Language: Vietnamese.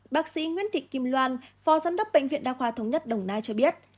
bác sĩ nguyễn thị kim loan phó giám đốc bệnh viện đa khoa thống nhất đồng nai cho biết